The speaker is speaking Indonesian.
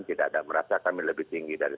tidak ada merasa kami lebih tinggi dari